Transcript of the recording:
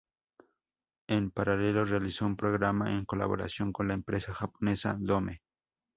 En paralelo, realizó un programa en colaboración con la empresa japonesa Dome.